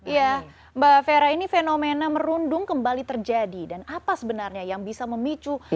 iya mbak fera ini fenomena merundung kembali terjadi dan apa sebenarnya yang bisa memicu